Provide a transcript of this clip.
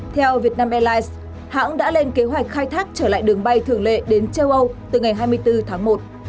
theo vietnam airlines hãng đã lên kế hoạch khai thác trở lại đường bay thường lệ đến châu âu từ ngày hai mươi bốn tháng một